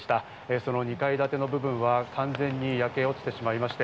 その２階建ての部分は完全に焼け落ちてしまいました。